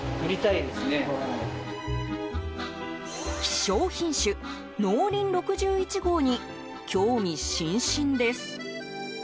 希少品種、農林６１号に興味津々です。